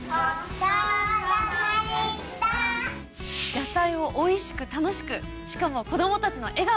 野菜をおいしく楽しくしかも子供たちの笑顔まで！